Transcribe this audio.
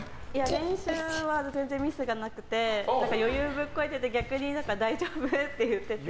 練習は、全然ミスがなくて余裕ぶっこいてて逆に大丈夫？って言ってて。